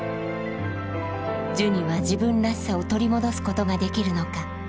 ジュニは自分らしさを取り戻すことができるのか。